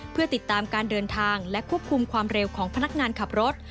เพื่อติดตามการเดินทางและควบคุมความเร็วของพนักงานขับรถ